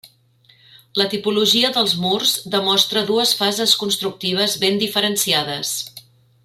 La tipologia dels murs demostra dues fases constructives ben diferenciades.